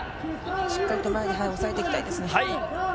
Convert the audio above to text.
しっかりと前でおさえていきたいですね。